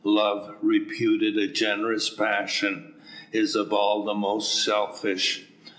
Love, reputed a generous passion, is of all the most selfish.